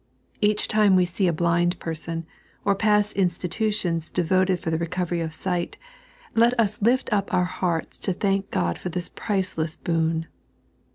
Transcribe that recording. Each time we see a blind person, or pass institutions devoted for the recovery of sight, let us lift up our hearto to thank God for this priceless boon.